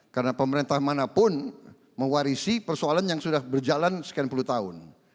karena pemerintah manapun mewarisi persoalan yang sudah berjalan sekian puluh tahun